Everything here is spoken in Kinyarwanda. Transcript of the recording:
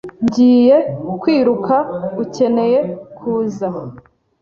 Ngiye kwiruka. Ukeneye kuza?